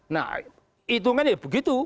nah hitungannya begitu